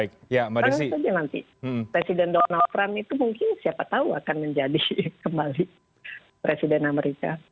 karena itu nanti presiden donald trump itu mungkin siapa tahu akan menjadi kembali presiden amerika